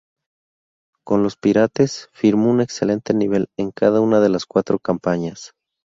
Con los Pirates firmó un excelente nivel en cada una de las cuatro campañas.